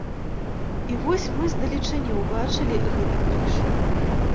І вось мы з далечыні ўбачылі гэты крыж.